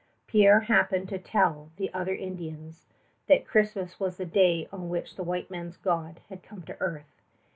Pierre happened to tell the other Indians that Christmas was the day on which the white man's God had come to earth.